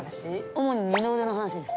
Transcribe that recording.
主に二の腕の話です。